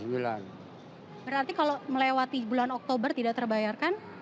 berarti kalau melewati bulan oktober tidak terbayarkan